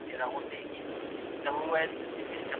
آيا د ډيرو اسبابو اثبات شونی دی؟